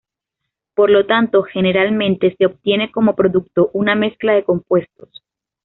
Por lo tanto, generalmente, se obtiene como producto una mezcla de compuestos.